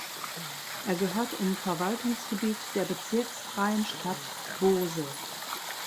Er gehört um Verwaltungsgebiet der bezirksfreien Stadt Bose.